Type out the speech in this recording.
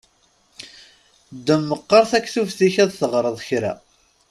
Ddem meqqaṛ taktubt-ik ad teɣṛeḍ kra!